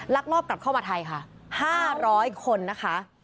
ลักลอบกลับเข้ามาไทยค่ะ๕๐๐คนนะคะ